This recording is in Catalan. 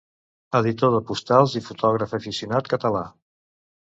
Editor de postals i fotògraf aficionat català.